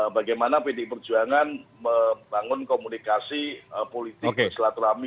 bagaimana pd perjuangan membangun komunikasi politik bersilaturahmi